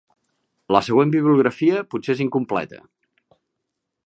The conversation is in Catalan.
La següent bibliografia potser és incompleta.